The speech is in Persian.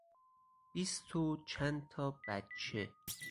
بیست و چند تا بچه